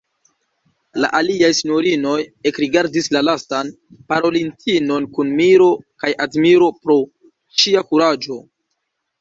La aliaj sinjorinoj ekrigardis la lastan parolintinon kun miro kaj admiro pro ŝia kuraĝo.